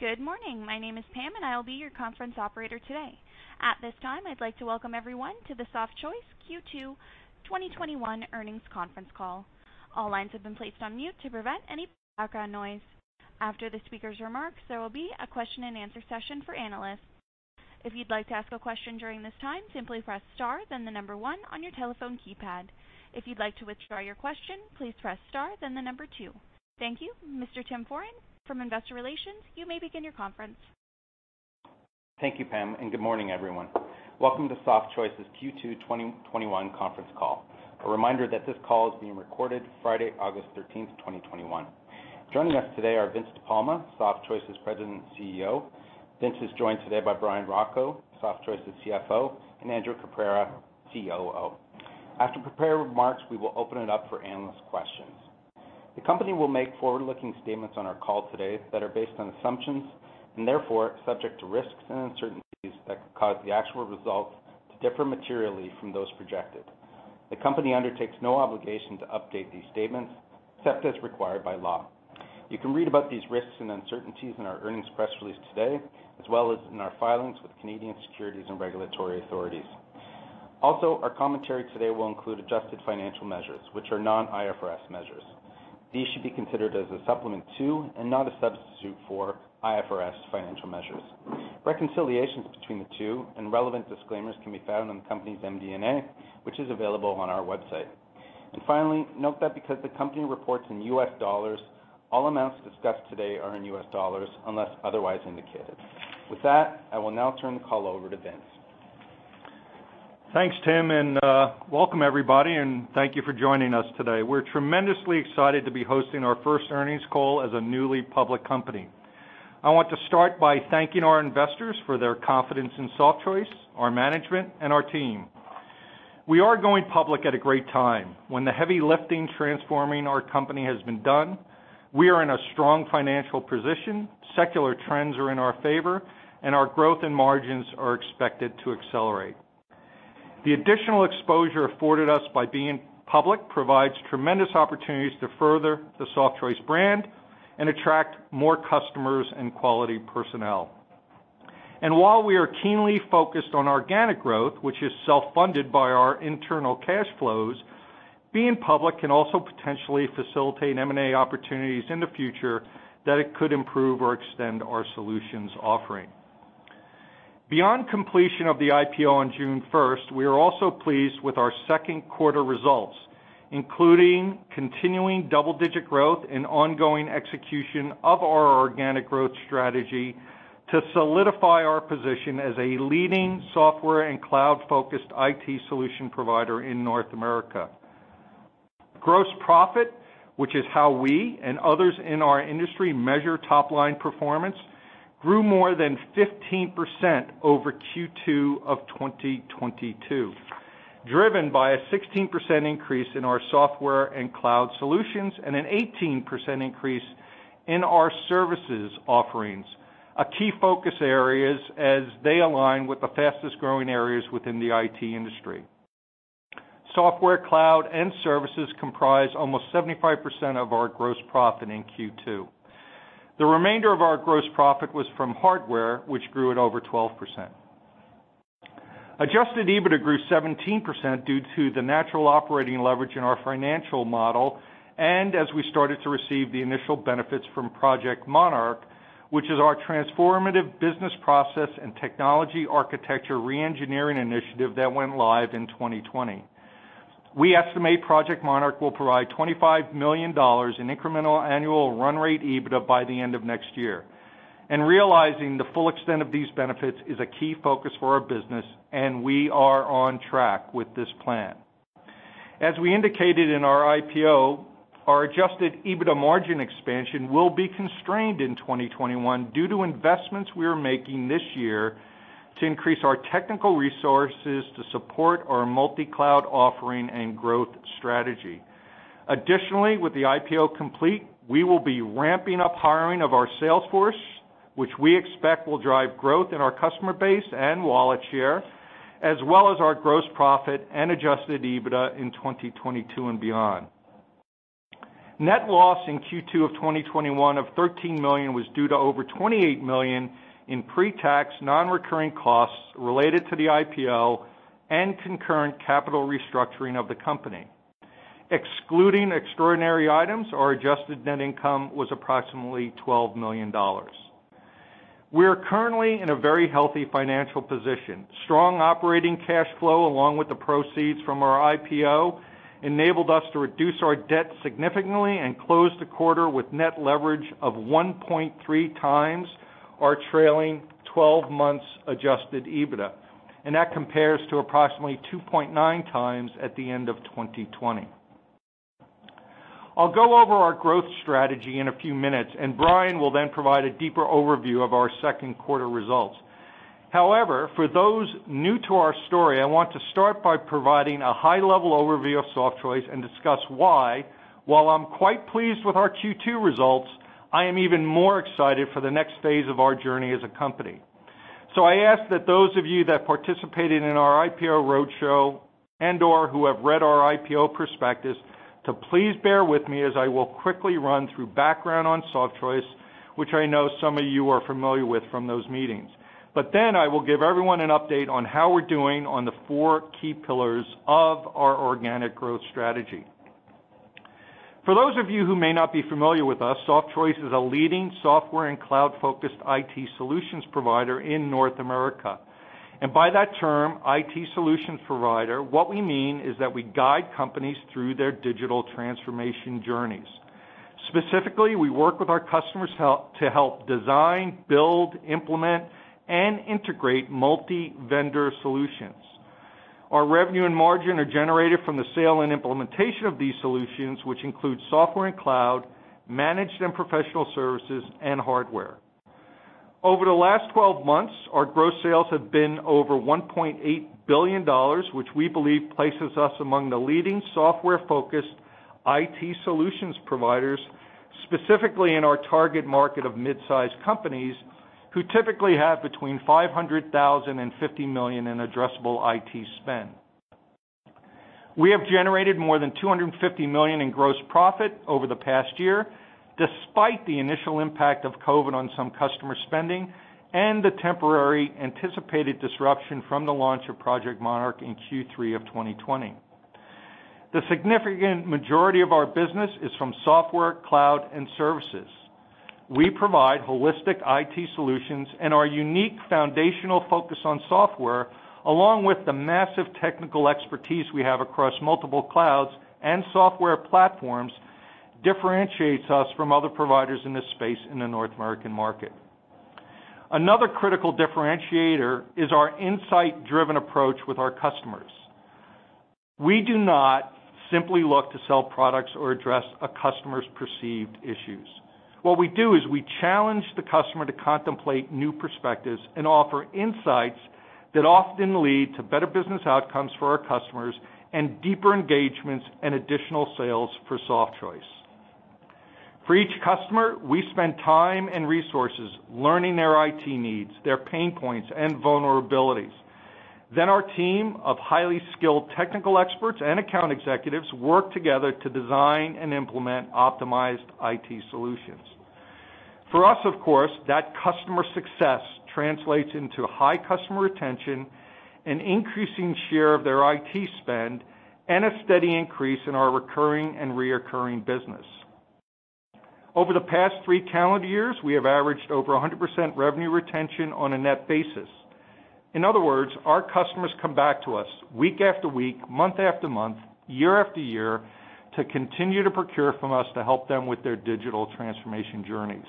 Good morning. My name is Pam, I will be your conference operator today. At this time, I'd like to welcome everyone to the Softchoice Q2 2021 earnings conference call. All lines have been placed on mute to prevent any background noise. After the speaker's remarks, there will be a question-and-answer session for analysts. If you'd like to ask a question during this time, simply press star, then the number one on your telephone keypad. If you'd like to withdraw your question, please press star, then the number two. Thank you. Mr. Tim Foran from Investor Relations, you may begin your conference. Thank you, Pam. Good morning, everyone. Welcome to Softchoice's Q2 2021 conference call. A reminder that this call is being recorded Friday, August 13th, 2021. Joining us today are Vince De Palma, Softchoice's President and CEO. Vince is joined today by Bryan Rocco, Softchoice's CFO, and Andrew Caprara, COO. After prepared remarks, we will open it up for analyst questions. The company will make forward-looking statements on our call today that are based on assumptions, therefore subject to risks and uncertainties that could cause the actual results to differ materially from those projected. The company undertakes no obligation to update these statements except as required by law. You can read about these risks and uncertainties in our earnings press release today, as well as in our filings with Canadian securities and regulatory authorities. Our commentary today will include adjusted financial measures, which are non-IFRS measures. These should be considered as a supplement to, and not a substitute for, IFRS financial measures. Reconciliations between the two and relevant disclaimers can be found on the company's MD&A, which is available on our website. Finally, note that because the company reports in US dollars, all amounts discussed today are in US dollars, unless otherwise indicated. With that, I will now turn the call over to Vince. Thanks, Tim, welcome everybody, thank you for joining us today. We're tremendously excited to be hosting our first earnings call as a newly public company. I want to start by thanking our investors for their confidence in Softchoice, our management, and our team. We are going public at a great time, when the heavy lifting transforming our company has been done. We are in a strong financial position. Secular trends are in our favor, our growth and margins are expected to accelerate. The additional exposure afforded us by being public provides tremendous opportunities to further the Softchoice brand and attract more customers and quality personnel. While we are keenly focused on organic growth, which is self-funded by our internal cash flows, being public can also potentially facilitate M&A opportunities in the future that it could improve or extend our solutions offering. Beyond completion of the IPO on June 1st, we are also pleased with our second quarter results, including continuing double-digit growth and ongoing execution of our organic growth strategy to solidify our position as a leading software and cloud-focused IT solution provider in North America. Gross profit, which is how we and others in our industry measure top-line performance, grew more than 15% over Q2 of 2022, driven by a 16% increase in our software and cloud solutions and an 18% increase in our services offerings, a key focus areas as they align with the fastest-growing areas within the IT industry. Software, cloud, and services comprise almost 75% of our gross profit in Q2. The remainder of our gross profit was from hardware, which grew at over 12%. Adjusted EBITDA grew 17% due to the natural operating leverage in our financial model and as we started to receive the initial benefits from Project Monarch, which is our transformative business process and technology architecture re-engineering initiative that went live in 2020. We estimate Project Monarch will provide $25 million in incremental annual run rate EBITDA by the end of next year. Realizing the full extent of these benefits is a key focus for our business, and we are on track with this plan. As we indicated in our IPO, our Adjusted EBITDA margin expansion will be constrained in 2021 due to investments we are making this year to increase our technical resources to support our multi-cloud offering and growth strategy. Additionally, with the IPO complete, we will be ramping up hiring of our sales force, which we expect will drive growth in our customer base and wallet share, as well as our gross profit and adjusted EBITDA in 2022 and beyond. Net loss in Q2 of 2021 of $13 million was due to over $28 million in pre-tax, non-recurring costs related to the IPO and concurrent capital restructuring of the company. Excluding extraordinary items, our adjusted net income was approximately $12 million. We are currently in a very healthy financial position. Strong operating cash flow, along with the proceeds from our IPO, enabled us to reduce our debt significantly and close the quarter with net leverage of 1.3x our trailing 12 months adjusted EBITDA, and that compares to approximately 2.9x at the end of 2020. I'll go over our growth strategy in a few minutes. Bryan will then provide a deeper overview of our second quarter results. However, for those new to our story, I want to start by providing a high-level overview of Softchoice and discuss why, while I'm quite pleased with our Q2 results, I am even more excited for the next phase of our journey as a company. I ask that those of you that participated in our IPO roadshow and/or who have read our IPO prospectus to please bear with me as I will quickly run through background on Softchoice, which I know some of you are familiar with from those meetings. I will give everyone an update on how we're doing on the four key pillars of our organic growth strategy. For those of you who may not be familiar with us, Softchoice is a leading software and cloud-focused IT solutions provider in North America. By that term, IT solutions provider, what we mean is that we guide companies through their digital transformation journeys. Specifically, we work with our customers to help design, build, implement, and integrate multi-vendor solutions. Our revenue and margin are generated from the sale and implementation of these solutions, which include software and cloud, managed and professional services, and hardware. Over the last 12 months, our gross sales have been over $1.8 billion, which we believe places us among the leading software-focused IT solutions providers, specifically in our target market of mid-size companies, who typically have between $500,000 and $50 million in addressable IT spend. We have generated more than $250 million in gross profit over the past year, despite the initial impact of COVID on some customer spending and the temporary anticipated disruption from the launch of Project Monarch in Q3 of 2020. The significant majority of our business is from software, cloud, and services. Our unique foundational focus on software, along with the massive technical expertise we have across multiple clouds and software platforms, differentiates us from other providers in this space in the North American market. Another critical differentiator is our insight-driven approach with our customers. We do not simply look to sell products or address a customer's perceived issues. What we do is we challenge the customer to contemplate new perspectives and offer insights that often lead to better business outcomes for our customers and deeper engagements and additional sales for Softchoice. For each customer, we spend time and resources learning their IT needs, their pain points, and vulnerabilities. Our team of highly skilled technical experts and Account Executives work together to design and implement optimized IT solutions. For us, of course, that customer success translates into high customer retention and increasing share of their IT spend and a steady increase in our recurring and reoccurring business. Over the past three calendar years, we have averaged over 100% revenue retention on a net basis. In other words, our customers come back to us week after week, month after month, year after year to continue to procure from us to help them with their digital transformation journeys.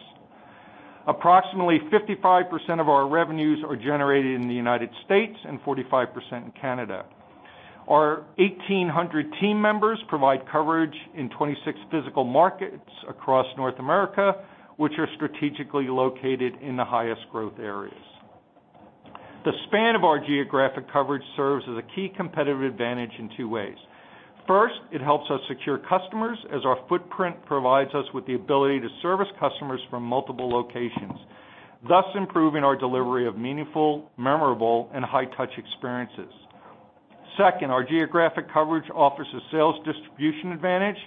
Approximately 55% of our revenues are generated in the U.S. and 45% in Canada. Our 1,800 team members provide coverage in 26 physical markets across North America, which are strategically located in the highest growth areas. The span of our geographic coverage serves as a key competitive advantage in two ways. First, it helps us secure customers as our footprint provides us with the ability to service customers from multiple locations, thus improving our delivery of meaningful, memorable, and high-touch experiences. Second, our geographic coverage offers a sales distribution advantage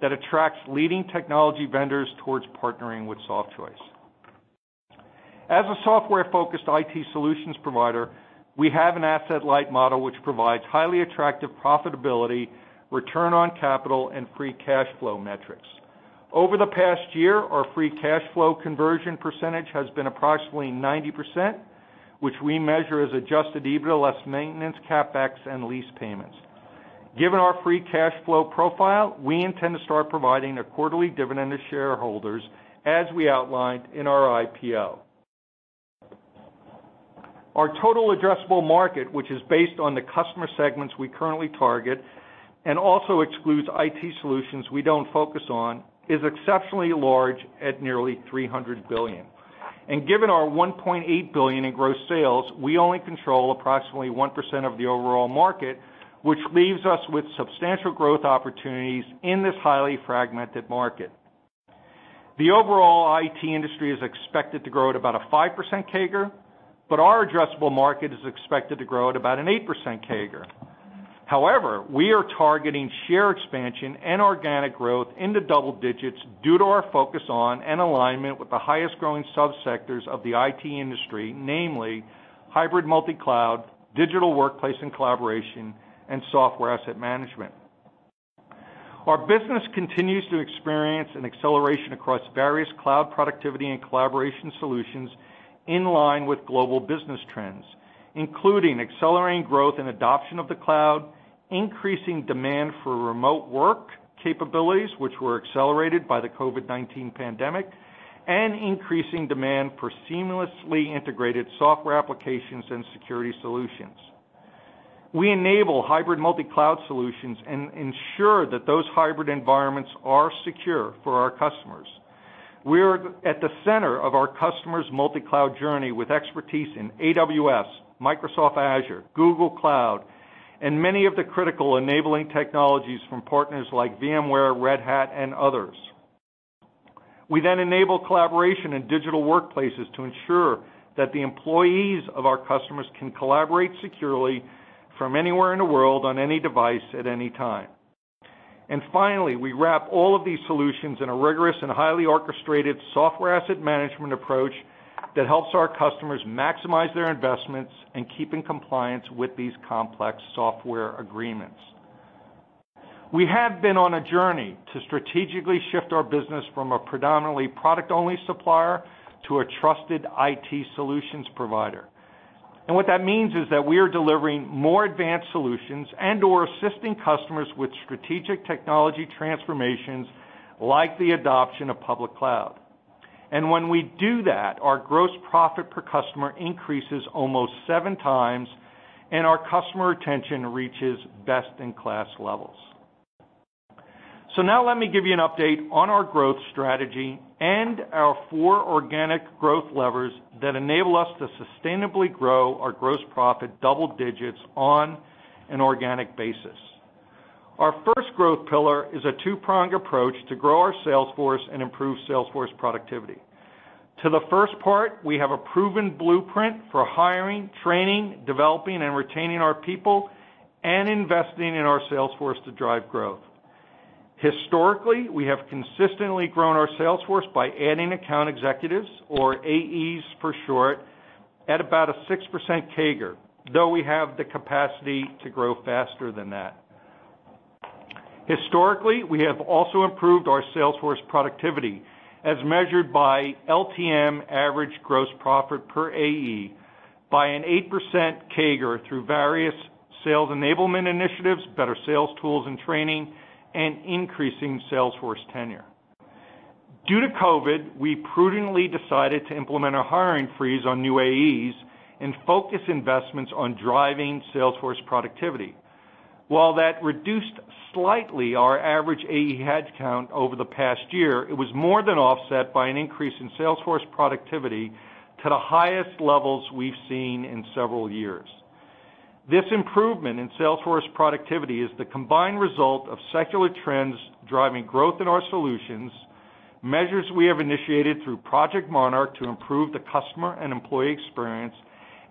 that attracts leading technology vendors towards partnering with Softchoice. As a software-focused IT solutions provider, we have an asset-light model which provides highly attractive profitability, return on capital, and free cash flow metrics. Over the past year, our free cash flow conversion percentage has been approximately 90%, which we measure as adjusted EBITDA less maintenance, CapEx, and lease payments. Given our free cash flow profile, we intend to start providing a quarterly dividend to shareholders as we outlined in our IPO. Our total addressable market, which is based on the customer segments we currently target and also excludes IT solutions we don't focus on, is exceptionally large at nearly $300 billion. Given our $1.8 billion in gross sales, we only control approximately 1% of the overall market, which leaves us with substantial growth opportunities in this highly fragmented market. The overall IT industry is expected to grow at about a 5% CAGR, our addressable market is expected to grow at about an 8% CAGR. However, we are targeting share expansion and organic growth into double-digits due to our focus on and alignment with the highest growing subsectors of the IT industry, namely hybrid multi-cloud, digital workplace and collaboration, and software asset management. Our business continues to experience an acceleration across various cloud productivity and collaboration solutions in line with global business trends, including accelerating growth and adoption of the cloud, increasing demand for remote work capabilities, which were accelerated by the COVID-19 pandemic, and increasing demand for seamlessly integrated software applications and security solutions. We enable hybrid multi-cloud solutions and ensure that those hybrid environments are secure for our customers. We're at the center of our customers' multi-cloud journey with expertise in AWS, Microsoft Azure, Google Cloud, and many of the critical enabling technologies from partners like VMware, Red Hat, and others. We enable collaboration in digital workplaces to ensure that the employees of our customers can collaborate securely from anywhere in the world on any device at any time. Finally, we wrap all of these solutions in a rigorous and highly orchestrated software asset management approach that helps our customers maximize their investments and keep in compliance with these complex software agreements. We have been on a journey to strategically shift our business from a predominantly product-only supplier to a trusted IT solutions provider. What that means is that we are delivering more advanced solutions and/or assisting customers with strategic technology transformations like the adoption of public cloud. When we do that, our gross profit per customer increases almost 7x, and our customer retention reaches best-in-class levels. Now let me give you an update on our growth strategy and our four organic growth levers that enable us to sustainably grow our gross profit double-digits on an organic basis. Our first growth pillar is a two-pronged approach to grow our sales force and improve sales force productivity. To the first part, we have a proven blueprint for hiring, training, developing, and retaining our people and investing in our sales force to drive growth. Historically, we have consistently grown our sales force by adding Account Executives, or AEs for short, at about a 6% CAGR, though we have the capacity to grow faster than that. Historically, we have also improved our sales force productivity, as measured by LTM average gross profit per AE by an 8% CAGR through various sales enablement initiatives, better sales tools and training, and increasing sales force tenure. Due to COVID, we prudently decided to implement a hiring freeze on new AEs and focus investments on driving sales force productivity. While that reduced slightly our average AE headcount over the past year, it was more than offset by an increase in sales force productivity to the highest levels we've seen in several years. This improvement in sales force productivity is the combined result of secular trends driving growth in our solutions, measures we have initiated through Project Monarch to improve the customer and employee experience,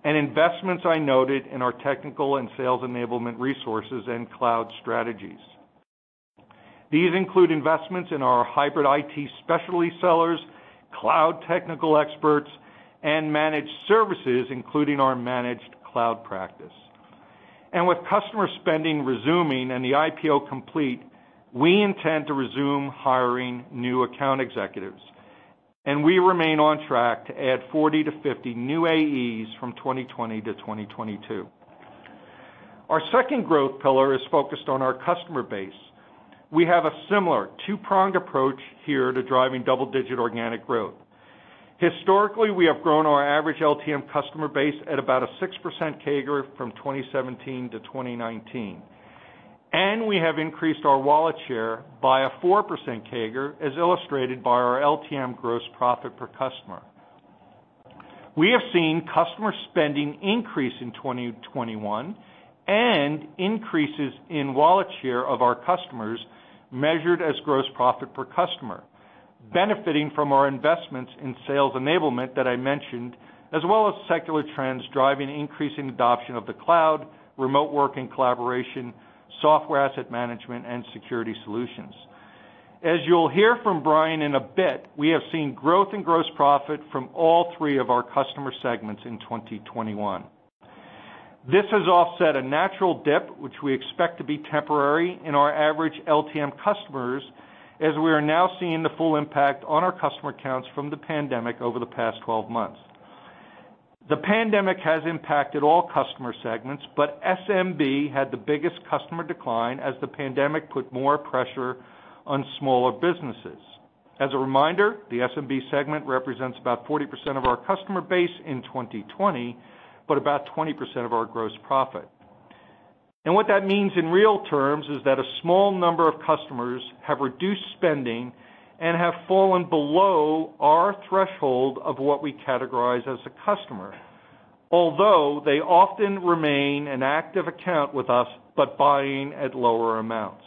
and investments I noted in our technical and sales enablement resources and cloud strategies. These include investments in our hybrid IT specialty sellers, cloud technical experts, and managed services, including our managed cloud practice. With customer spending resuming and the IPO complete, we intend to resume hiring new account executives, and we remain on track to add 40-50 new AEs from 2020-2022. Our second growth pillar is focused on our customer base. We have a similar two-pronged approach here to driving double-digit organic growth. Historically, we have grown our average LTM customer base at about a 6% CAGR from 2017-2019, and we have increased our wallet share by a 4% CAGR, as illustrated by our LTM gross profit per customer. We have seen customer spending increase in 2021 and increases in wallet share of our customers measured as gross profit per customer, benefiting from our investments in sales enablement that I mentioned, as well as secular trends driving increasing adoption of the cloud, remote working collaboration, software asset management, and security solutions. As you'll hear from Bryan in a bit, we have seen growth in gross profit from all three of our customer segments in 2021. This has offset a natural dip, which we expect to be temporary in our average LTM customers, as we are now seeing the full impact on our customer counts from the pandemic over the past 12 months. The pandemic has impacted all customer segments, but SMB had the biggest customer decline as the pandemic put more pressure on smaller businesses. As a reminder, the SMB segment represents about 40% of our customer base in 2020, but about 20% of our gross profit. What that means in real terms is that a small number of customers have reduced spending and have fallen below our threshold of what we categorize as a customer. Although they often remain an active account with us, but buying at lower amounts.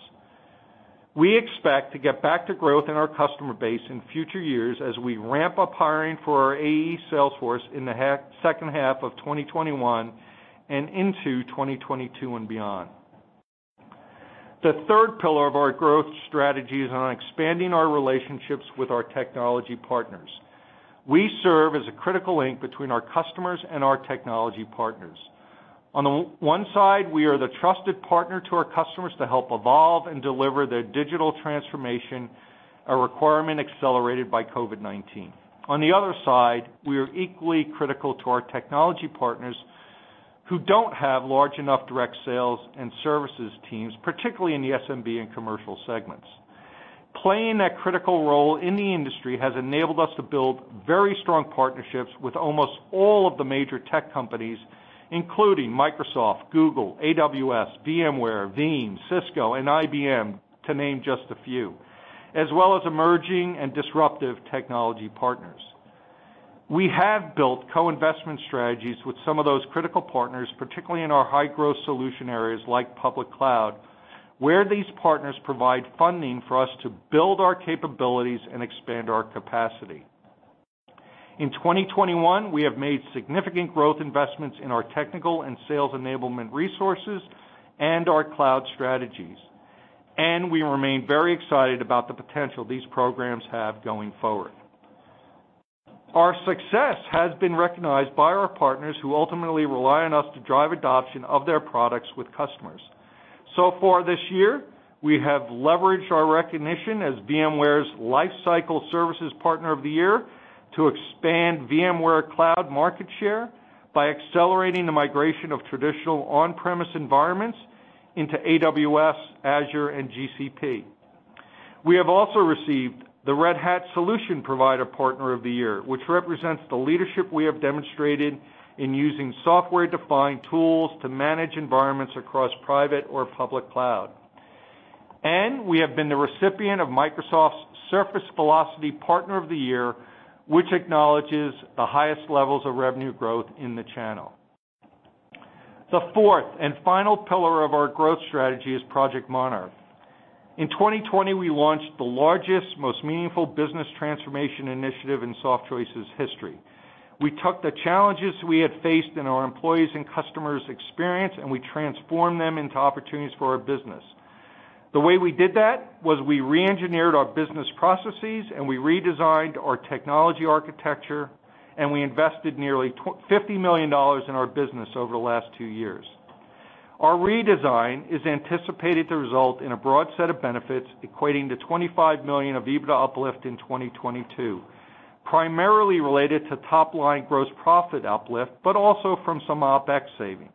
We expect to get back to growth in our customer base in future years as we ramp up hiring for our AE sales force in the second half of 2021 and into 2022 and beyond. The third pillar of our growth strategy is on expanding our relationships with our technology partners. We serve as a critical link between our customers and our technology partners. On the one side, we are the trusted partner to our customers to help evolve and deliver their digital transformation, a requirement accelerated by COVID-19. On the other side, we are equally critical to our technology partners who don't have large enough direct sales and services teams, particularly in the SMB and commercial segments. Playing that critical role in the industry has enabled us to build very strong partnerships with almost all of the major tech companies, including Microsoft, Google, AWS, VMware, Veeam, Cisco, and IBM, to name just a few, as well as emerging and disruptive technology partners. We have built co-investment strategies with some of those critical partners, particularly in our high-growth solution areas like public cloud, where these partners provide funding for us to build our capabilities and expand our capacity. In 2021, we have made significant growth investments in our technical and sales enablement resources and our cloud strategies. We remain very excited about the potential these programs have going forward. Our success has been recognized by our partners who ultimately rely on us to drive adoption of their products with customers. Far this year, we have leveraged our recognition as VMware Lifecycle Services Partner of the Year to expand VMware cloud market share by accelerating the migration of traditional on-premise environments into AWS, Azure, and GCP. We have also received the Red Hat Solution Provider Partner of the Year, which represents the leadership we have demonstrated in using software-defined tools to manage environments across private or public cloud. We have been the recipient of Microsoft Surface Velocity Partner of the Year, which acknowledges the highest levels of revenue growth in the channel. The fourth and final pillar of our growth strategy is Project Monarch. In 2020, we launched the largest, most meaningful business transformation initiative in Softchoice's history. We took the challenges we had faced in our employees' and customers' experience, and we transformed them into opportunities for our business. The way we did that, was we re-engineered our business processes, we redesigned our technology architecture, and we invested nearly $50 million in our business over the last two years. Our redesign is anticipated to result in a broad set of benefits equating to $25 million of EBITDA uplift in 2022, primarily related to top-line gross profit uplift, but also from some OpEx savings.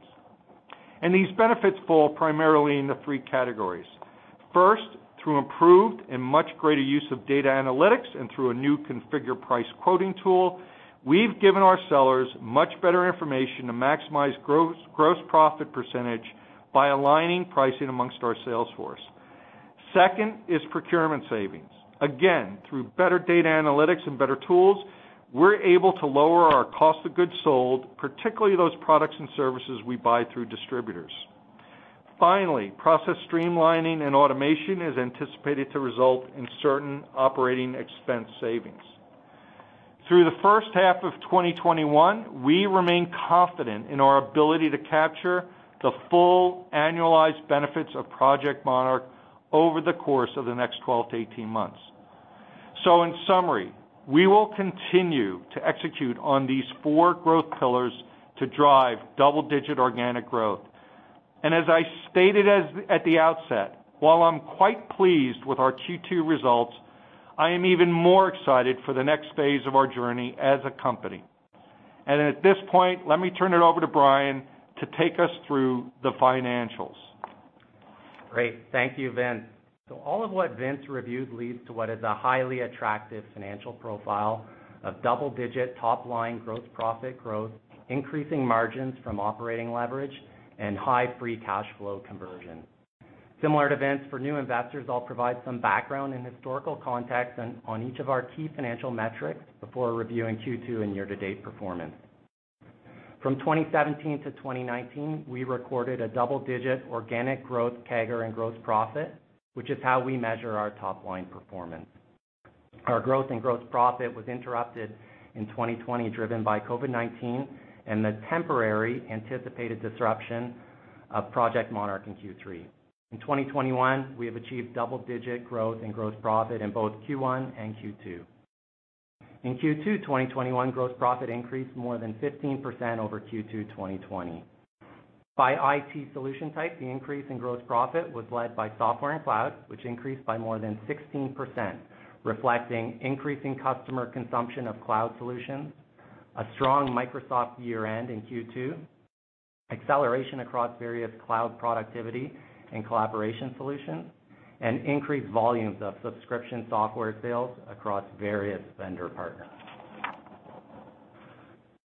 These benefits fall primarily into three categories. First, through improved and much greater use of data analytics and through a new configure price quoting tool, we've given our sellers much better information to maximize gross profit percentage by aligning pricing amongst our sales force. Second is procurement savings. Again, through better data analytics and better tools, we're able to lower our cost of goods sold, particularly those products and services we buy through distributors. Process streamlining and automation is anticipated to result in certain operating expense savings. Through the first half of 2021, we remain confident in our ability to capture the full annualized benefits of Project Monarch over the course of the next 12-18 months. In summary, we will continue to execute on these four growth pillars to drive double-digit organic growth. As I stated at the outset, while I'm quite pleased with our Q2 results, I am even more excited for the next phase of our journey as a company. At this point, let me turn it over to Bryan to take us through the financials. Great. Thank you, Vince. All of what Vince reviewed leads to what is a highly attractive financial profile of double-digit top-line growth profit growth, increasing margins from operating leverage, and high free cash flow conversion. Similar to Vince, for new investors, I'll provide some background and historical context on each of our key financial metrics before reviewing Q2 and year-to-date performance. From 2017-2019, we recorded a double-digit organic growth CAGR in gross profit, which is how we measure our top-line performance. Our growth in gross profit was interrupted in 2020, driven by COVID-19 and the temporary anticipated disruption of Project Monarch in Q3. In 2021, we have achieved double-digit growth in gross profit in both Q1 and Q2. In Q2 2021, gross profit increased more than 15% over Q2 2020. By IT solution type, the increase in gross profit was led by software and cloud, which increased by more than 16%, reflecting increasing customer consumption of cloud solutions, a strong Microsoft year-end in Q2, acceleration across various cloud productivity and collaboration solutions, and increased volumes of subscription software sales across various vendor partners.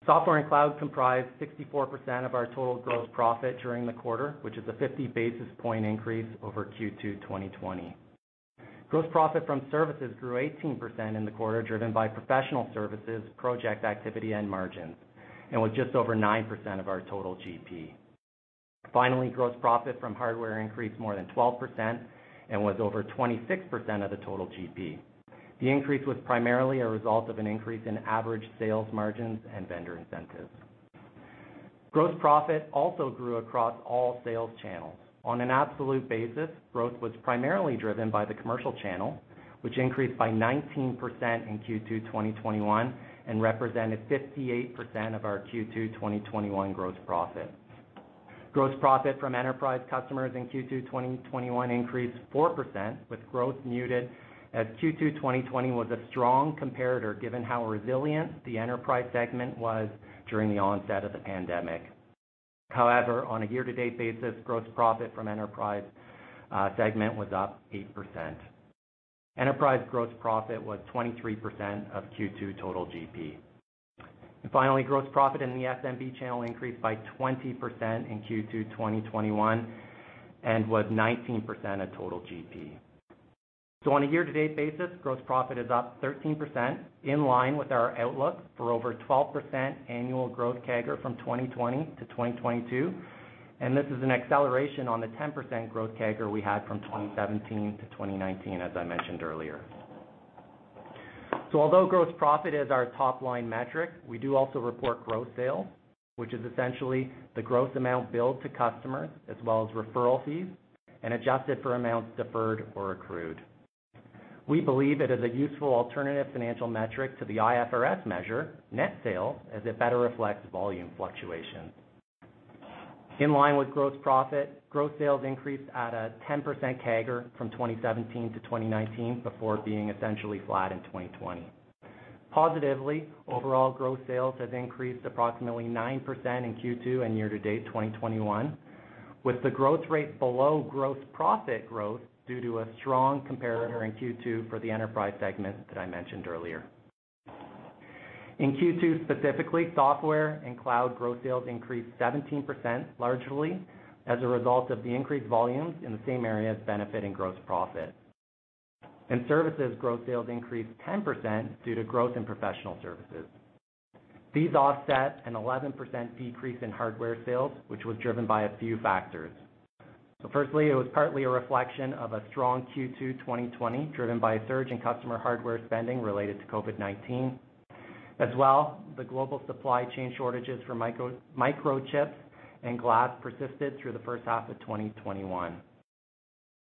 Software and cloud comprised 64% of our total gross profit during the quarter, which is a 50-basis point increase over Q2 2020. Gross profit from services grew 18% in the quarter, driven by professional services, project activity, and margins, and was just over 9% of our total GP. Finally, gross profit from hardware increased more than 12% and was over 26% of the total GP. The increase was primarily a result of an increase in average sales margins and vendor incentives. Gross profit also grew across all sales channels. On an absolute basis, growth was primarily driven by the commercial channel, which increased by 19% in Q2 2021 and represented 58% of our Q2 2021 gross profit. Gross profit from enterprise customers in Q2 2021 increased 4%, with growth muted as Q2 2020 was a strong comparator given how resilient the enterprise segment was during the onset of the pandemic. However, on a year-to-date basis, gross profit from enterprise segment was up 8%. Enterprise gross profit was 23% of Q2 total GP. Finally, gross profit in the SMB channel increased by 20% in Q2 2021 and was 19% of total GP. On a year-to-date basis, gross profit is up 13%, in line with our outlook for over 12% annual growth CAGR from 2020-2022. This is an acceleration on the 10% growth CAGR we had from 2017-2019, as I mentioned earlier. Although gross profit is our top-line metric, we do also report gross sales, which is essentially the gross amount billed to customers, as well as referral fees, and adjusted for amounts deferred or accrued. We believe it is a useful alternative financial metric to the IFRS measure, net sales, as it better reflects volume fluctuations. In line with gross profit, gross sales increased at a 10% CAGR from 2017-2019, before being essentially flat in 2020. Positively, overall gross sales has increased approximately 9% in Q2 and year-to-date 2021, with the growth rate below gross profit growth due to a strong comparator in Q2 for the enterprise segment that I mentioned earlier. In Q2, specifically, software and cloud gross sales increased 17%, largely as a result of the increased volumes in the same areas benefiting gross profit. In services, gross sales increased 10% due to growth in professional services. These offset an 11% decrease in hardware sales, which was driven by a few factors. Firstly, it was partly a reflection of a strong Q2 2020, driven by a surge in customer hardware spending related to COVID-19. As well, the global supply chain shortages for microchips and glass persisted through the first half of 2021.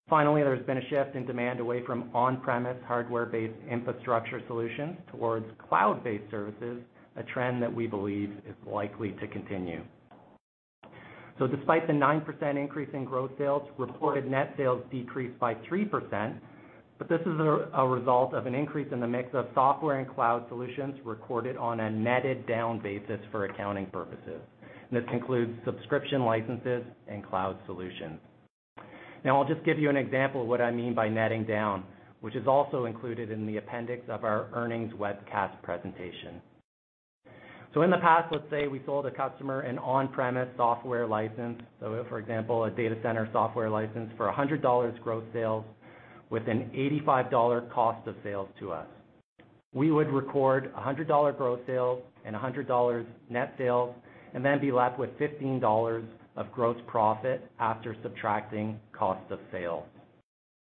Finally, there's been a shift in demand away from on-premise, hardware-based infrastructure solutions towards cloud-based services, a trend that we believe is likely to continue. Despite the 9% increase in gross sales, reported net sales decreased by 3%, but this is a result of an increase in the mix of software and cloud solutions recorded on a netted down basis for accounting purposes. This includes subscription licenses and cloud solutions. I'll just give you an example of what I mean by netting down, which is also included in the appendix of our earnings webcast presentation. In the past, let's say we sold a customer an on-premise software license, so for example, a data center software license for $100 gross sales with an $85 cost of sales to us. We would record $100 gross sales and $100 net sales, and then be left with $15 of gross profit after subtracting cost of sale.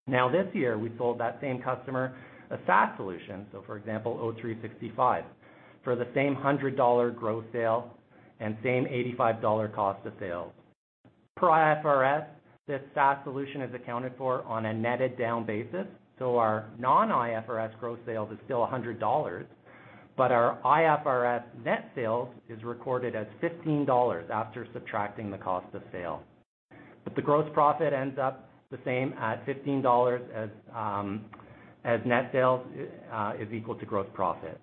This year, we sold that same customer a SaaS solution, so for example, O365, for the same $100 gross sale and same $85 cost of sale. For IFRS, this SaaS solution is accounted for on a netted down basis, so our non-IFRS gross sales is still $100, but our IFRS net sales is recorded as $15 after subtracting the cost of sale. The gross profit ends up the same at $15 as net sales is equal to gross profit.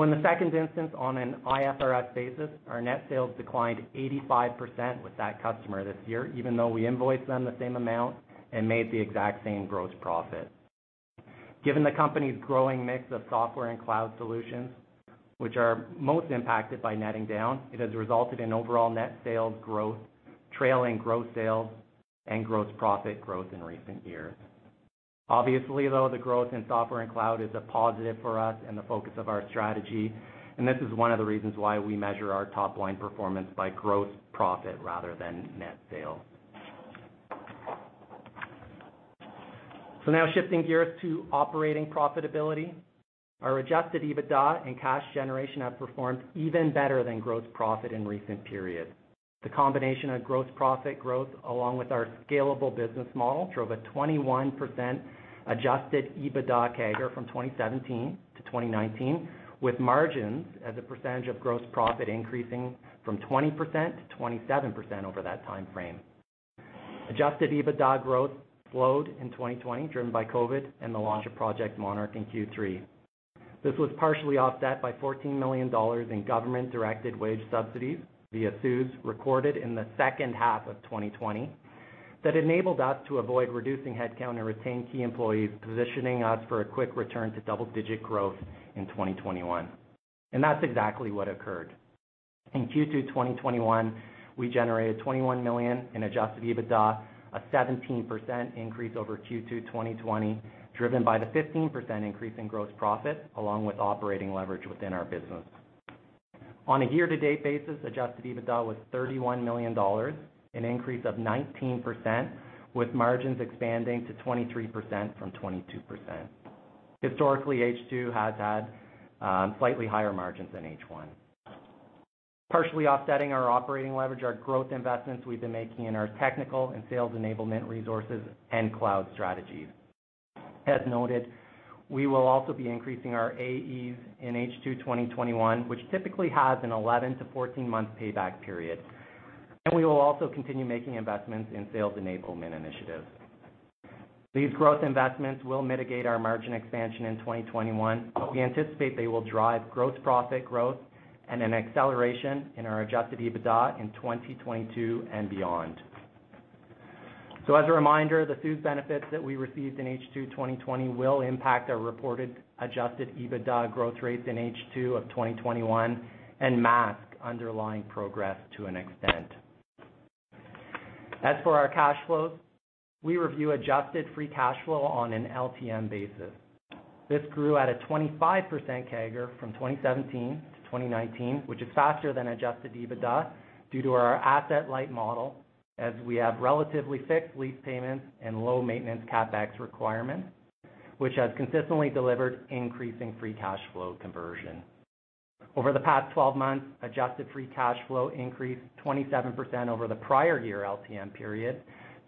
In the second instance, on an IFRS basis, our net sales declined 85% with that customer this year, even though we invoiced them the same amount and made the exact same gross profit. Given the company's growing mix of software and cloud solutions, which are most impacted by netting down, it has resulted in overall net sales growth trailing gross sales and gross profit growth in recent years. Obviously, though, the growth in software and cloud is a positive for us and the focus of our strategy, and this is one of the reasons why we measure our top-line performance by gross profit rather than net sales. Now shifting gears to operating profitability. Our adjusted EBITDA and cash generation have performed even better than gross profit in recent periods. The combination of gross profit growth along with our scalable business model drove a 21% adjusted EBITDA CAGR from 2017-2019, with margins as a percentage of gross profit increasing from 20%-27% over that timeframe. Adjusted EBITDA growth slowed in 2020, driven by COVID and the launch of Project Monarch in Q3. This was partially offset by $14 million in government-directed wage subsidies via CEWS recorded in the second half of 2020 that enabled us to avoid reducing headcount and retain key employees, positioning us for a quick return to double-digit growth in 2021. That's exactly what occurred. In Q2 2021, we generated $21 million in adjusted EBITDA, a 17% increase over Q2 2020, driven by the 15% increase in gross profit, along with operating leverage within our business. On a year-to-date basis, adjusted EBITDA was $31 million, an increase of 19%, with margins expanding to 23% from 22%. Historically, H2 has had slightly higher margins than H1. Partially offsetting our operating leverage are growth investments we've been making in our technical and sales enablement resources and cloud strategies. As noted, we will also be increasing our AEs in H2 2021, which typically has an 11 month-14 month payback period. We will also continue making investments in sales enablement initiatives. These growth investments will mitigate our margin expansion in 2021, but we anticipate they will drive gross profit growth and an acceleration in our adjusted EBITDA in 2022 and beyond. As a reminder, the CEWS benefits that we received in H2 2020 will impact our reported adjusted EBITDA growth rates in H2 of 2021 and mask underlying progress to an extent. As for our cash flows, we review adjusted free cash flow on an LTM basis. This grew at a 25% CAGR from 2017-2019, which is faster than adjusted EBITDA due to our asset light model, as we have relatively fixed lease payments and low maintenance CapEx requirements, which has consistently delivered increasing free cash flow conversion. Over the past 12 months, adjusted free cash flow increased 27% over the prior year LTM period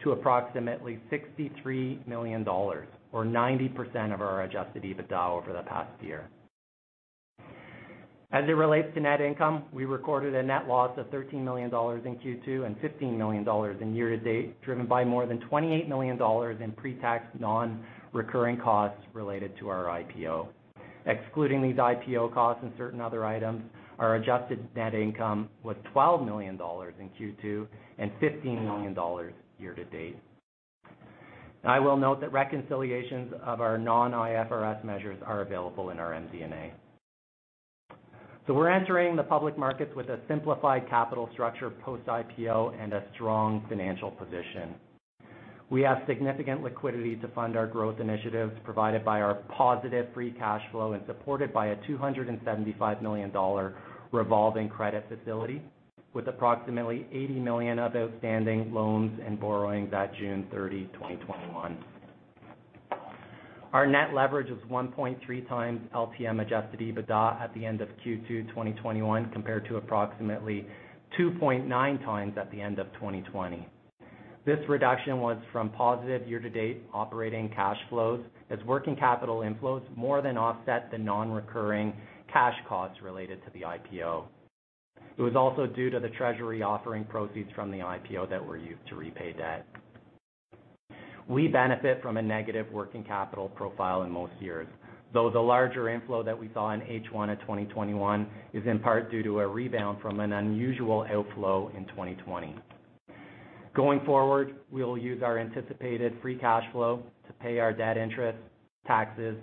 to approximately $63 million, or 90% of our adjusted EBITDA over the past year. As it relates to net income, we recorded a net loss of $13 million in Q2 and $15 million in year-to-date, driven by more than $28 million in pre-tax non-recurring costs related to our IPO. Excluding these IPO costs and certain other items, our adjusted net income was $12 million in Q2 and $15 million year-to-date. I will note that reconciliations of our non-IFRS measures are available in our MD&A. We're entering the public markets with a simplified capital structure post-IPO and a strong financial position. We have significant liquidity to fund our growth initiatives provided by our positive free cash flow and supported by a $275 million revolving credit facility with approximately $80 million of outstanding loans and borrowings at June 30, 2021. Our net leverage is 1.3x LTM Adjusted EBITDA at the end of Q2 2021, compared to approximately 2.9x at the end of 2020. This reduction was from positive year-to-date operating cash flows as working capital inflows more than offset the non-recurring cash costs related to the IPO. It was also due to the treasury offering proceeds from the IPO that were used to repay debt. We benefit from a negative working capital profile in most years, though the larger inflow that we saw in H1 of 2021 is in part due to a rebound from an unusual outflow in 2020. Going forward, we will use our anticipated free cash flow to pay our debt interest, taxes,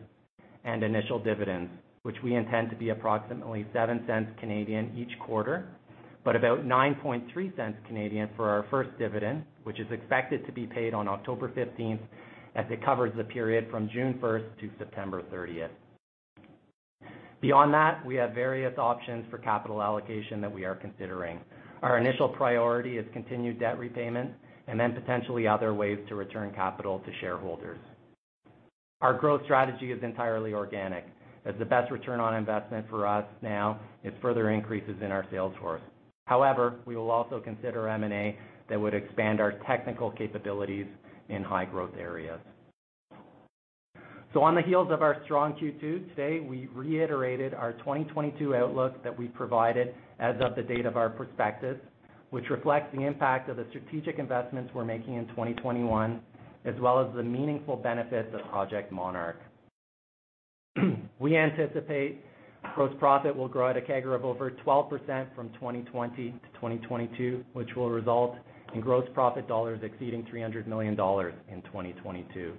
and initial dividends, which we intend to be approximately 0.07 each quarter, but about 0.093 for our first dividend, which is expected to be paid on October 15th as it covers the period from June 1st to September 30th. Beyond that, we have various options for capital allocation that we are considering. Our initial priority is continued debt repayment and then potentially other ways to return capital to shareholders. Our growth strategy is entirely organic as the best return on investment for us now is further increases in our sales force. However, we will also consider M&A that would expand our technical capabilities in high-growth areas. On the heels of our strong Q2, today, we reiterated our 2022 outlook that we provided as of the date of our prospectus, which reflects the impact of the strategic investments we're making in 2021 as well as the meaningful benefits of Project Monarch. We anticipate gross profit will grow at a CAGR of over 12% from 2020-2022, which will result in gross profit dollars exceeding $300 million in 2022.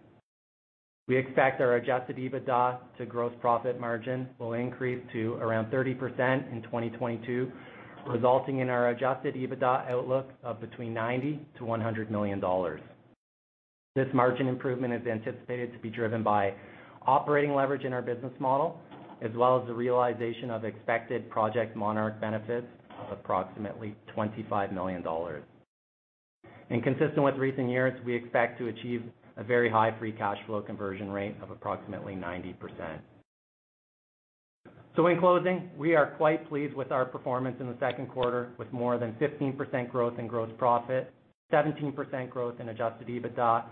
We expect our adjusted EBITDA to gross profit margin will increase to around 30% in 2022, resulting in our adjusted EBITDA outlook of between $90 million-$100 million. This margin improvement is anticipated to be driven by operating leverage in our business model as well as the realization of expected Project Monarch benefits of approximately $25 million. Consistent with recent years, we expect to achieve a very high free cash flow conversion rate of approximately 90%. In closing, we are quite pleased with our performance in the second quarter, with more than 15% growth in gross profit, 17% growth in adjusted EBITDA,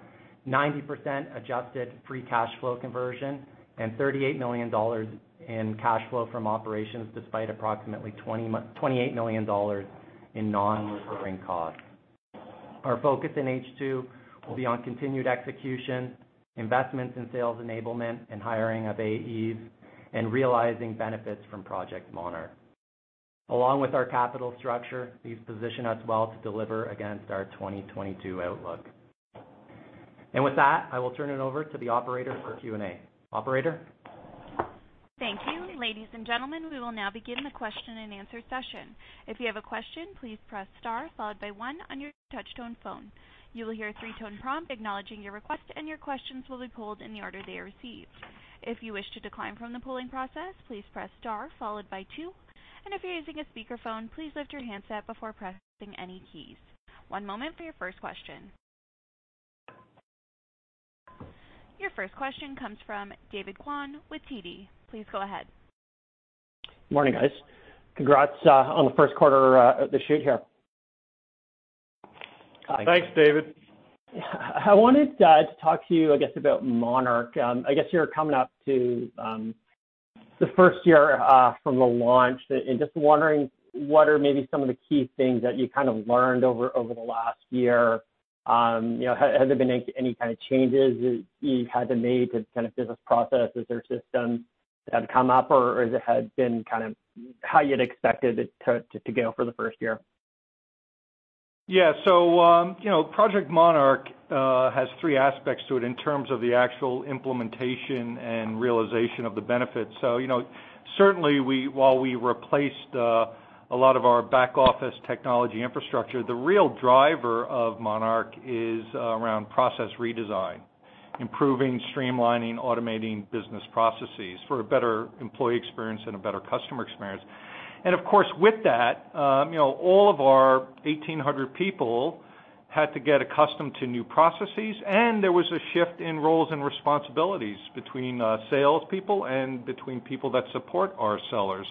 90% adjusted free cash flow conversion, and $38 million in cash flow from operations despite approximately $28 million in non-recurring costs. Our focus in H2 will be on continued execution, investments in sales enablement, and hiring of AEs, and realizing benefits from Project Monarch. Along with our capital structure, these position us well to deliver against our 2022 outlook. With that, I will turn it over to the operator for Q&A. Operator? Thank you. Ladies and gentlemen, we'll now begin the question-and-answer session. If you have a question, please press star, followed by one on your touch-tone phone. You'll hear a three tone prompt acknowledging your request and your questions will be pulled in the order they are received. If you wish to decline from the polling process, please press star followed by two. And if you're using a speakerphone, please lift your handset before pressing any keys. One moment for your first question. Your first question comes from David Kwan with TD. Please go ahead. Morning, guys. Congrats on the first quarter of the shoot here. Thanks, David. I wanted to talk to you, I guess, about Monarch. I guess you're coming up to the first year from the launch, and just wondering what are maybe some of the key things that you kind of learned over the last year. Has there been any kind of changes that you've had to make to kind of business processes or systems that have come up, or has it been kind of how you'd expected it to go for the first year? Yeah. Project Monarch has three aspects to it in terms of the actual implementation and realization of the benefits. Certainly, while we replaced a lot of our back-office technology infrastructure, the real driver of Project Monarch is around process redesign. Improving, streamlining, automating business processes for a better employee experience and a better customer experience. Of course, with that, all of our 1,800 people had to get accustomed to new processes, and there was a shift in roles and responsibilities between salespeople and between people that support our sellers.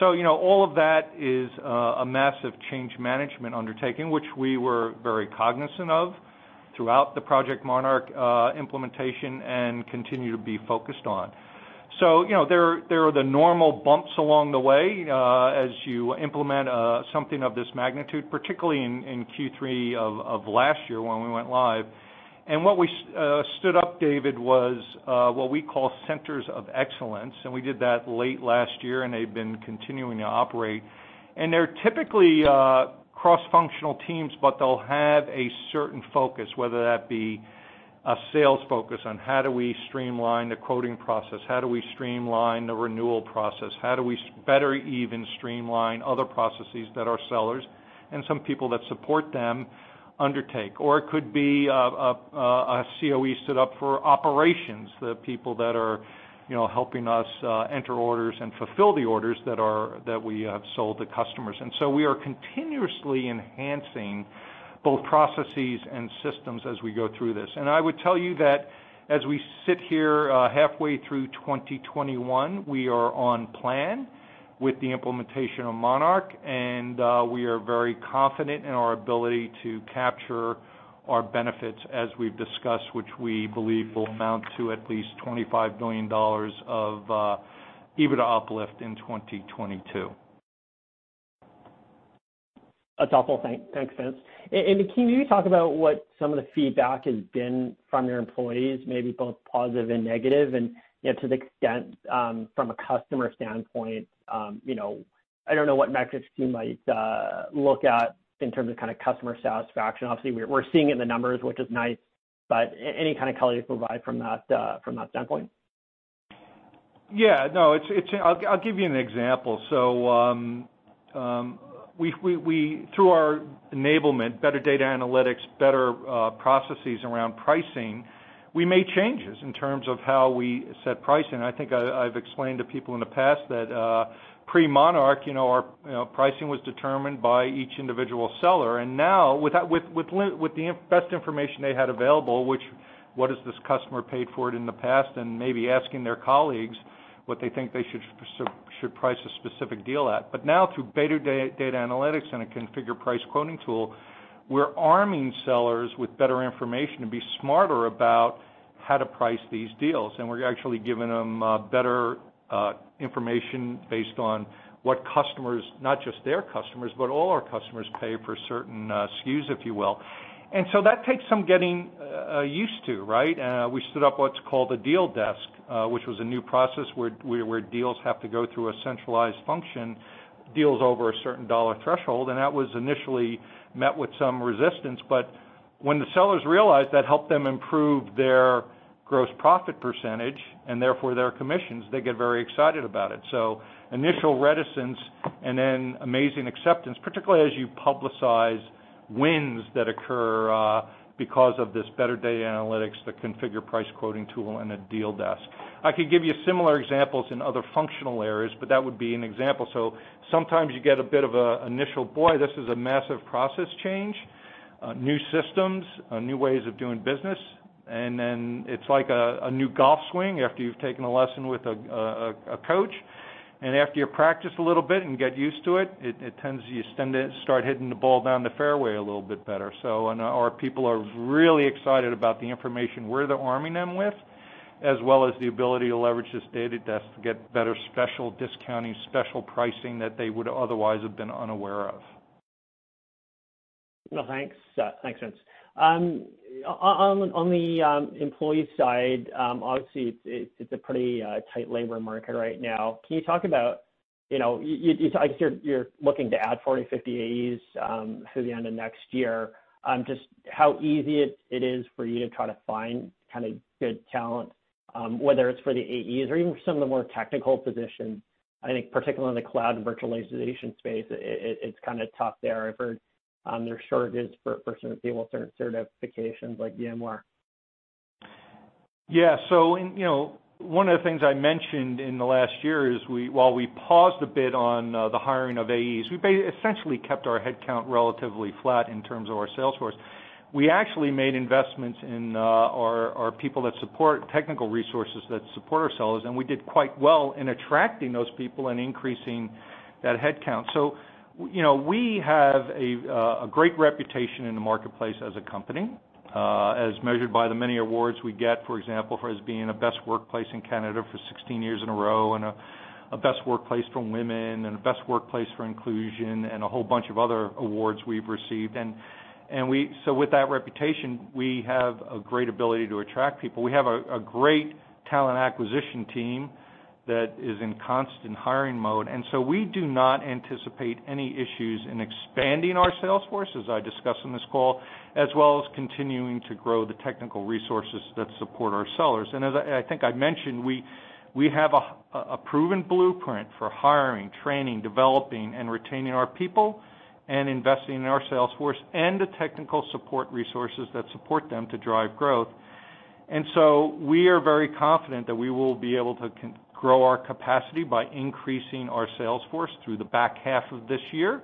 All of that is a massive change management undertaking, which we were very cognizant of throughout the Project Monarch implementation and continue to be focused on. There are the normal bumps along the way as you implement something of this magnitude, particularly in Q3 of last year when we went live. What we stood up, David, was what we call centers of excellence, and we did that late last year, and they've been continuing to operate. They're typically cross-functional teams, but they'll have a certain focus, whether that be a sales focus on how do we streamline the quoting process, how do we streamline the renewal process, how do we better even streamline other processes that our sellers and some people that support them undertake? It could be a COE stood up for operations, the people that are helping us enter orders and fulfill the orders that we have sold to customers. We are continuously enhancing both processes and systems as we go through this. I would tell you that as we sit here halfway through 2021, we are on plan with the implementation of Monarch, and we are very confident in our ability to capture our benefits as we've discussed, which we believe will amount to at least $25 billion of EBITDA uplift in 2022. That's helpful. Thanks, Vince. Can you talk about what some of the feedback has been from your employees, maybe both positive and negative, and to the extent from a customer standpoint, I don't know what metrics you might look at in terms of customer satisfaction. Obviously, we're seeing it in the numbers, which is nice, but any kind of color you can provide from that standpoint? Yeah. I'll give you an example. Through our enablement, better data analytics, better processes around pricing, we made changes in terms of how we set pricing. I think I've explained to people in the past that pre-Monarch, our pricing was determined by each individual seller. Now, with the best information they had available, which what has this customer paid for it in the past, and maybe asking their colleagues what they think they should price a specific deal at. Now through better data analytics and a configure price quoting tool, we're arming sellers with better information to be smarter about how to price these deals. We're actually giving them better information based on what customers, not just their customers, but all our customers pay for certain SKUs, if you will. That takes some getting used to, right? We stood up what's called a deal desk, which was a new process where deals have to go through a centralized function, deals over a certain dollar threshold, and that was initially met with some resistance, but when the sellers realized that helped them improve their gross profit percentage and therefore their commissions, they get very excited about it. Initial reticence and then amazing acceptance, particularly as you publicize wins that occur because of this better data analytics, the configure price quoting tool, and a deal desk. I could give you similar examples in other functional areas, but that would be an example. Sometimes you get a bit of initial, Boy, this is a massive process change, new systems, new ways of doing business. Then it's like a new golf swing after you've taken a lesson with a coach. After you practice a little bit and get used to it, you start hitting the ball down the fairway a little bit better. Our people are really excited about the information we're arming them with, as well as the ability to leverage this deal desk to get better special discounting, special pricing that they would otherwise have been unaware of. Well, thanks. Thanks, Vince. On the employee side, obviously it's a pretty tight labor market right now. Can you talk about, I guess you're looking to add 40, 50 AEs through the end of next year? Just how easy it is for you to try to find kind of good talent, whether it's for the AEs or even some of the more technical positions? I think particularly in the cloud virtualization space, it's kind of tough there. I've heard there are shortages for some people with certain certifications like VMware. One of the things I mentioned in the last year is while we paused a bit on the hiring of AEs, we essentially kept our headcount relatively flat in terms of our sales force. We actually made investments in our people that support technical resources that support our sellers, and we did quite well in attracting those people and increasing that headcount. We have a great reputation in the marketplace as a company, as measured by the many awards we get, for example, for us being a Best Workplace in Canada for 16 years in a row and a Best Workplace for Women and a Best Workplace for Inclusion and a whole bunch of other awards we've received. With that reputation, we have a great ability to attract people. We have a great talent acquisition team that is in constant hiring mode. We do not anticipate any issues in expanding our sales force, as I discussed on this call, as well as continuing to grow the technical resources that support our sellers. I think I mentioned, we have a proven blueprint for hiring, training, developing, and retaining our people, and investing in our sales force and the technical support resources that support them to drive growth. We are very confident that we will be able to grow our capacity by increasing our sales force through the back half of this year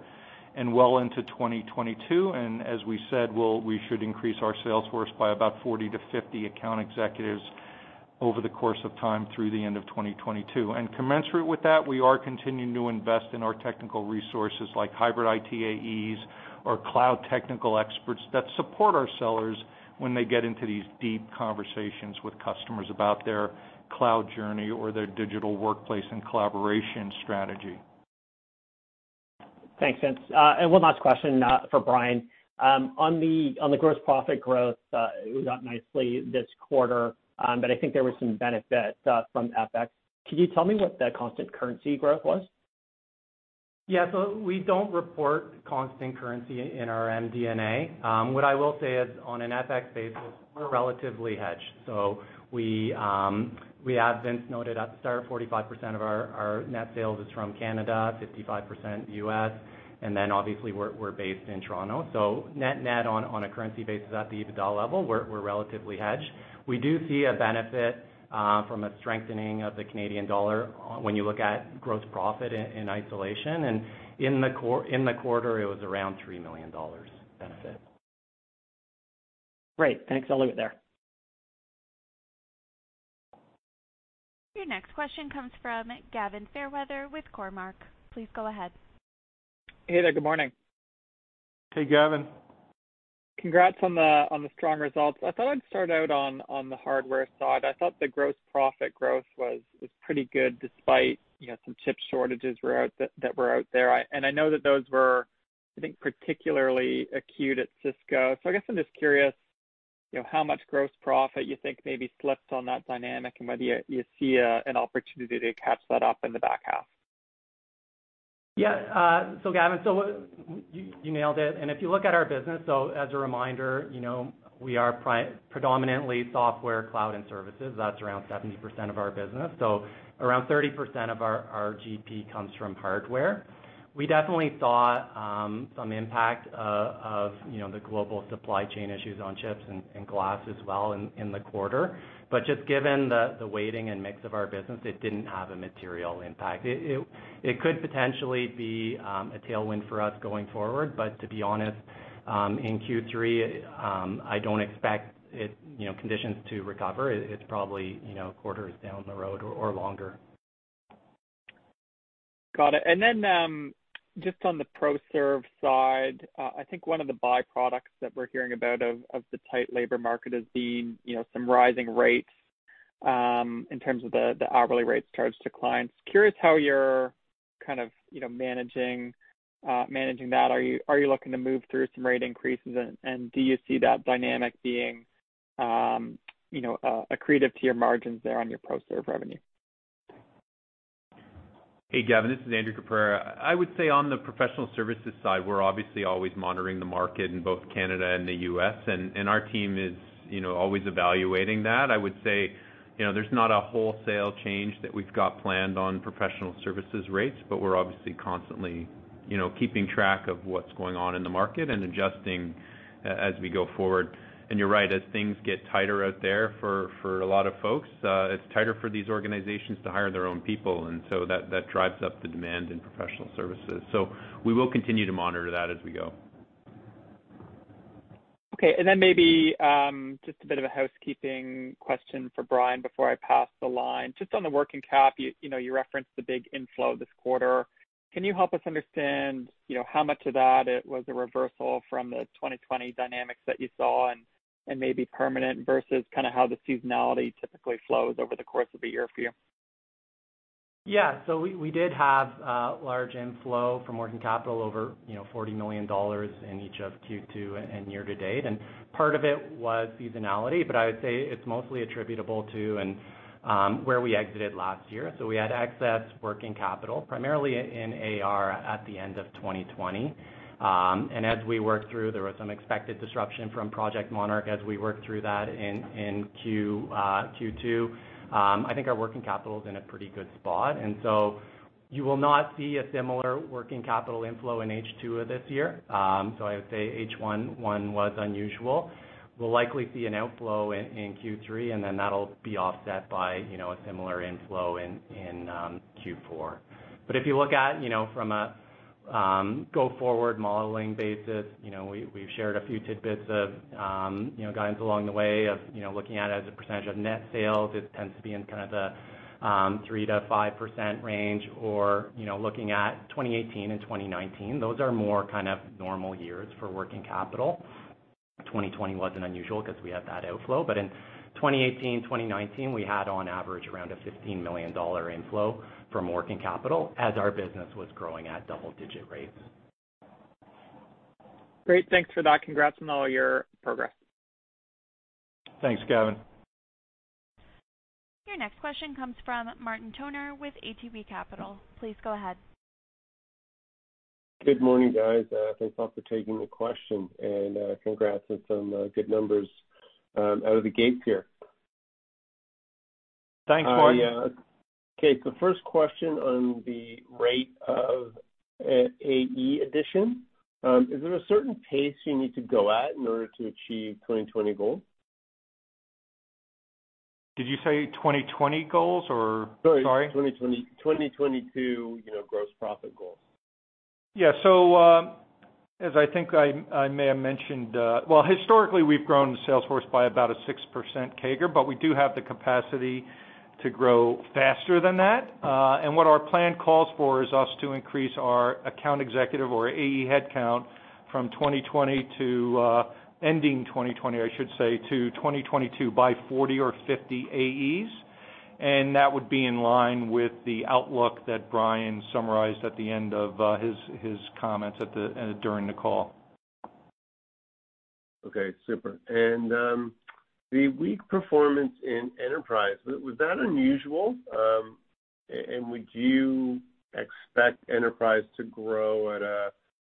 and well into 2022. As we said, we should increase our sales force by about 40-50 account executives over the course of time through the end of 2022. Commensurate with that, we are continuing to invest in our technical resources like hybrid IT AEs or cloud technical experts that support our sellers when they get into these deep conversations with customers about their cloud journey or their digital workplace and collaboration strategy. Thanks, Vince. One last question for Bryan. On the gross profit growth, it was up nicely this quarter, I think there was some benefit from FX. Can you tell me what the constant currency growth was? Yeah. We don't report constant currency in our MD&A. What I will say is on an FX basis, we're relatively hedged. We, as Vince noted at the start, 45% of our net sales is from Canada, 55% U.S. Obviously we're based in Toronto. Net on a currency basis at the EBITDA level, we're relatively hedged. We do see a benefit from a strengthening of the Canadian dollar when you look at gross profit in isolation. In the quarter, it was around $3 million benefit. Great. Thanks. I'll leave it there. Your next question comes from Gavin Fairweather with Cormark. Please go ahead. Hey there. Good morning. Hey, Gavin. Congrats on the strong results. I thought I'd start out on the hardware side. I thought the gross profit growth was pretty good despite some chip shortages that were out there. I know that those were, I think, particularly acute at Cisco. I guess I'm just curious how much gross profit you think maybe slipped on that dynamic and whether you see an opportunity to catch that up in the back half? Yeah. Gavin, you nailed it. If you look at our business, as a reminder, we are predominantly software, cloud, and services. That's around 70% of our business. Around 30% of our GP comes from hardware. We definitely saw some impact of the global supply chain issues on chips and glass as well in the quarter. Just given the weighting and mix of our business, it didn't have a material impact. It could potentially be a tailwind for us going forward, to be honest, in Q3, I don't expect conditions to recover. It's probably quarters down the road or longer. Got it. Just on the ProServ side, I think one of the byproducts that we're hearing about of the tight labor market has been some rising rates, in terms of the hourly rates charged to clients. Curious how you're managing that. Are you looking to move through some rate increases, and do you see that dynamic being accretive to your margins there on your ProServ revenue? Hey, Gavin, this is Andrew Caprara. I would say on the professional services side, we're obviously always monitoring the market in both Canada and the U.S. Our team is always evaluating that. I would say there's not a wholesale change that we've got planned on professional services rates, but we're obviously constantly keeping track of what's going on in the market and adjusting as we go forward. You're right, as things get tighter out there for a lot of folks, it's tighter for these organizations to hire their own people. That drives up the demand in professional services. We will continue to monitor that as we go. Okay. Maybe just a bit of a housekeeping question for Bryan before I pass the line. On the working cap, you referenced the big inflow this quarter. Can you help us understand how much of that was a reversal from the 2020 dynamics that you saw and may be permanent versus how the seasonality typically flows over the course of a year for you? Yeah. We did have a large inflow from working capital over $40 million in each of Q2 and year-to-date. Part of it was seasonality, but I would say it's mostly attributable to where we exited last year. We had excess working capital, primarily in AR at the end of 2020. As we worked through, there was some expected disruption from Project Monarch as we worked through that in Q2. I think our working capital's in a pretty good spot, and you will not see a similar working capital inflow in H2 of this year. I would say H1 was unusual. We'll likely see an outflow in Q3, and then that'll be offset by a similar inflow in Q4. If you look at from a go-forward modeling basis, we've shared a few tidbits of guidance along the way of looking at it as a percentage of net sales. It tends to be in the 3%-5% range, or looking at 2018 and 2019, those are more normal years for working capital. 2020 was unusual because we had that outflow. In 2018, 2019, we had on average around a $15 million inflow from working capital as our business was growing at double-digit rates. Great. Thanks for that. Congrats on all your progress. Thanks, Gavin. Your next question comes from Martin Toner with ATB Capital. Please go ahead. Good morning, guys. Thanks a lot for taking the question, and congrats on some good numbers out of the gate here. Thanks, Martin. First question on the rate of AE addition. Is there a certain pace you need to go at in order to achieve 2020 goals? Did you say 2020 goals or Sorry? Sorry, 2022 gross profit goals. Yeah. As I think I may have mentioned, well, historically, we've grown the sales force by about a 6% CAGR, but we do have the capacity to grow faster than that. What our plan calls for is us to increase our account executive or AE headcount from 2020 to ending 2020, I should say, to 2022 by 40 or 50 AEs. That would be in line with the outlook that Bryan summarized at the end of his comments during the call. Okay, super. The weak performance in enterprise, was that unusual? Would you expect enterprise to grow at a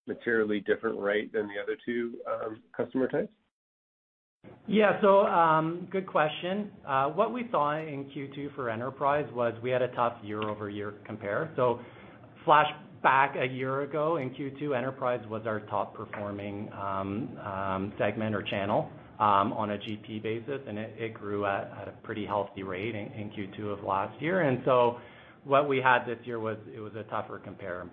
materially different rate than the other two customer types? Good question. What we saw in Q2 for enterprise was we had a tough year-over-year compare. Flashback a year ago in Q2, enterprise was our top-performing segment or channel on a GP basis, and it grew at a pretty healthy rate in Q2 of last year. What we had this year was a tougher compare.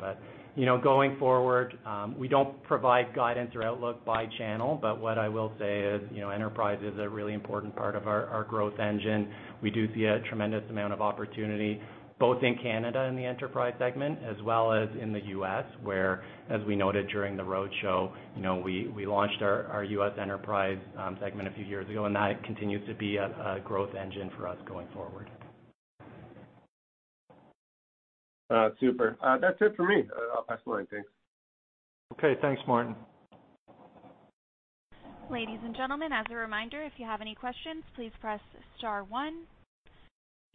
Going forward, we don't provide guidance or outlook by channel. What I will say is enterprise is a really important part of our growth engine. We do see a tremendous amount of opportunity, both in Canada in the enterprise segment as well as in the U.S., where, as we noted during the roadshow, we launched our U.S. enterprise segment a few years ago, and that continues to be a growth engine for us going forward. Super. That's it for me. I'll pass along. Thanks. Okay. Thanks, Martin. Ladies and gentlemen, as a reminder.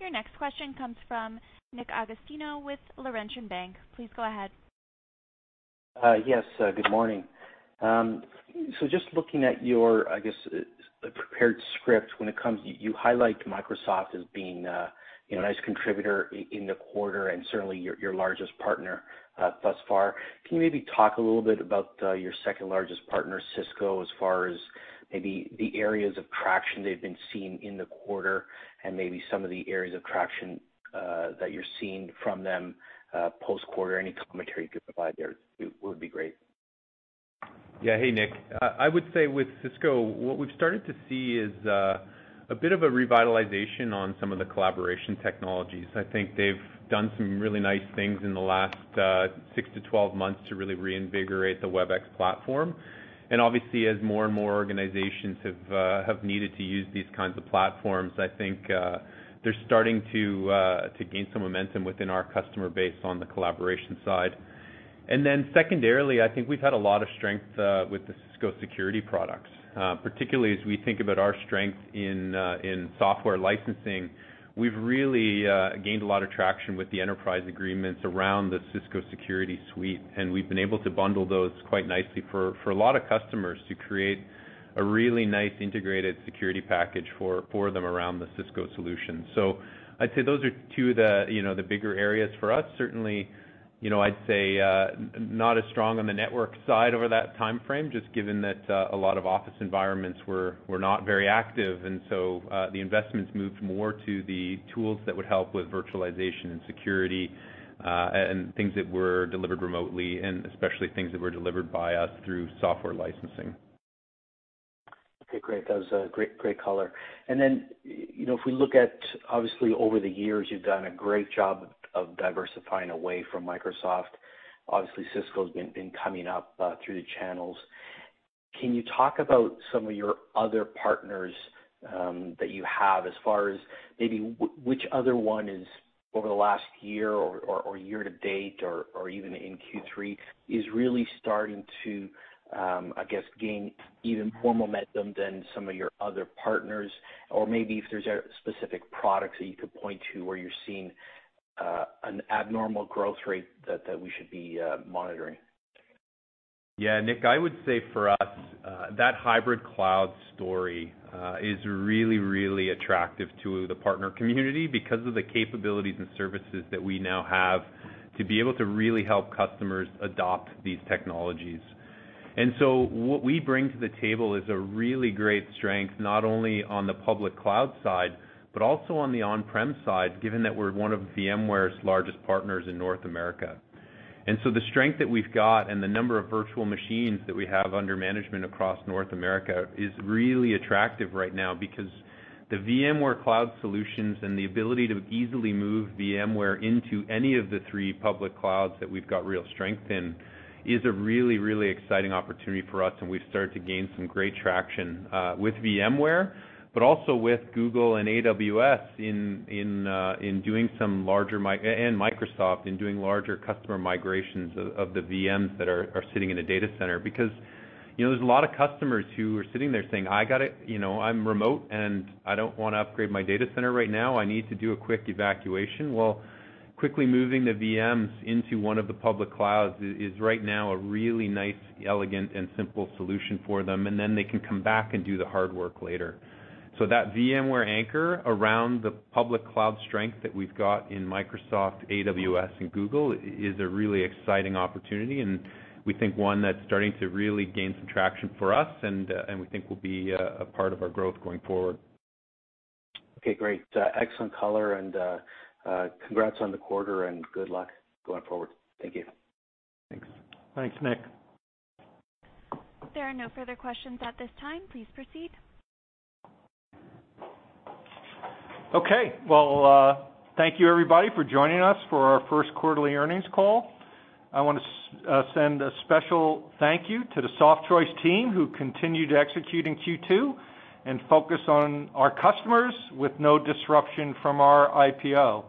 Your next question comes from Nick Agostino with Laurentian Bank. Please go ahead. Yes, good morning. Just looking at your, I guess, prepared script when it comes-- you highlight Microsoft as being a nice contributor in the quarter and certainly your largest partner thus far. Can you maybe talk a little bit about your second-largest partner, Cisco, as far as maybe the areas of traction they've been seeing in the quarter and maybe some of the areas of traction that you're seeing from them post-quarter? Any commentary you could provide there would be great. Yeah. Hey, Nick. I would say with Cisco, what we've started to see is a bit of a revitalization on some of the collaboration technologies. I think they've done some really nice things in the last 6-12 months to really reinvigorate the Webex platform. Obviously, as more and more organizations have needed to use these kinds of platforms, I think they're starting to gain some momentum within our customer base on the collaboration side. Secondarily, I think we've had a lot of strength with the Cisco security products. Particularly as we think about our strength in software licensing, we've really gained a lot of traction with the enterprise agreements around the Cisco security suite, and we've been able to bundle those quite nicely for a lot of customers to create a really nice integrated security package for them around the Cisco solution. I'd say those are two of the bigger areas for us. Certainly, I'd say not as strong on the network side over that timeframe, just given that a lot of office environments were not very active. The investments moved more to the tools that would help with virtualization and security, and things that were delivered remotely, and especially things that were delivered by us through software licensing. Okay, great. That was a great color. Then, if we look at, obviously over the years, you've done a great job of diversifying away from Microsoft. Obviously, Cisco's been coming up through the channels. Can you talk about some of your other partners that you have as far as maybe which other one is over the last year or year-to-date or even in Q3, is really starting to, I guess, gain even more momentum than some of your other partners? Maybe if there's a specific product that you could point to where you're seeing an abnormal growth rate that we should be monitoring. Yeah, Nick, I would say for us, that hybrid cloud story is really, really attractive to the partner community because of the capabilities and services that we now have to be able to really help customers adopt these technologies. What we bring to the table is a really great strength, not only on the public cloud side, but also on the on-prem side, given that we're one of VMware's largest partners in North America. The strength that we've got and the number of virtual machines that we have under management across North America is really attractive right now because the VMware cloud solutions and the ability to easily move VMware into any of the three public clouds that we've got real strength in is a really, really exciting opportunity for us, and we've started to gain some great traction with VMware, but also with Google and AWS and Microsoft in doing larger customer migrations of the VMs that are sitting in a data center. There's a lot of customers who are sitting there saying, I'm remote, and I don't want to upgrade my data center right now. I need to do a quick evacuation. Well, quickly moving the VMs into 1 of the public clouds is right now a really nice, elegant, and simple solution for them. Then they can come back and do the hard work later. That VMware anchor around the public cloud strength that we've got in Microsoft, AWS, and Google is a really exciting opportunity, and we think one that's starting to really gain some traction for us and we think will be a part of our growth going forward. Okay, great. Excellent color, and congrats on the quarter and good luck going forward. Thank you. Thanks. Thanks, Nick. There are no further questions at this time. Please proceed. Okay. Well, thank you everybody for joining us for our first quarterly earnings call. I want to send a special thank you to the Softchoice team, who continued executing Q2 and focused on our customers with no disruption from our IPO.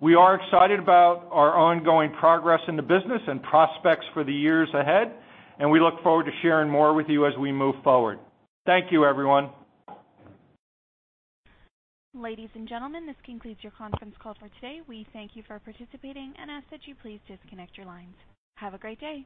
We are excited about our ongoing progress in the business and prospects for the years ahead, we look forward to sharing more with you as we move forward. Thank you, everyone. Ladies and gentlemen, this concludes your conference call for today. We thank you for participating and ask that you please disconnect your lines. Have a great day.